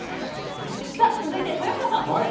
さあ、続いて、豊原さん。